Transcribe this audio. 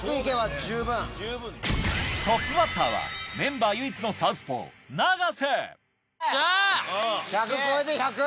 トップバッターはメンバー唯一のサウスポー永瀬１００超えて１００！